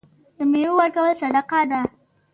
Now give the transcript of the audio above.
د میوو ورکول صدقه ده.